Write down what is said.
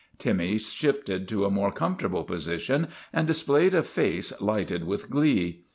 Timmy shifted to a more comfortable position and displayed a face lighted with glee.